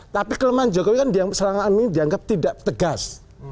tapi kelemahan jokowi kan dianggap tidak tegas